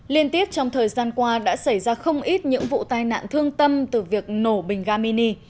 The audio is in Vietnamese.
liên tiếp trong thời gian qua đã xảy ra không ít những vụ tai nạn thương tâm từ việc nổ bình ga mini